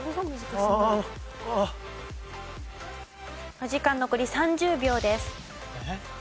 お時間残り３０秒です。